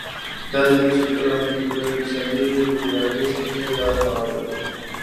دا د دریم سکتور رامینځ ته کول د اقتصادي لیبرالیزم ته لار هواروي.